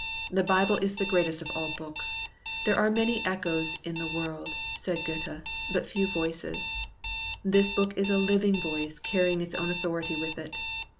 The Bible is the greatest of all great books. "There are many echoes in the world," said Goethe, " but few voices." This book is a living voice carrying its own authority with it.